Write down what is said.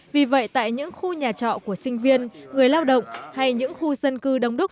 vì vậy tại những khu nhà trọ của sinh viên người lao động hay những khu dân cư đông đúc